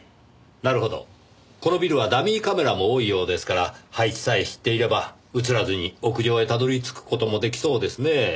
なるほどこのビルはダミーカメラも多いようですから配置さえ知っていれば映らずに屋上へたどり着く事も出来そうですねぇ。